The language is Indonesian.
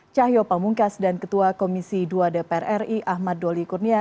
cahyo pamungkas dan ketua komisi dua dpr ri ahmad doli kurnia